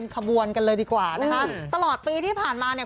ขบวนกันเลยดีกว่านะคะตลอดปีที่ผ่านมาเนี่ย